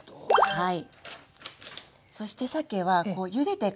はい。